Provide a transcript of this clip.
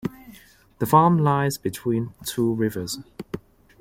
The farm lies between two rivers.